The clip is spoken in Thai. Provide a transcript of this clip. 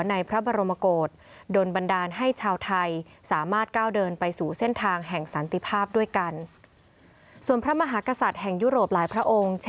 ในพระบรมกฏโดนบันดาลให้ชาวไทยสามารถก้าวเดินไปสู่เส้นทางแห่งสันติภาพด้วยกัน